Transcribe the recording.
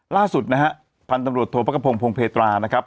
ล่าสุดนะฮะพันธุ์ตำรวจโทษพระกระพงพงเพตรานะครับ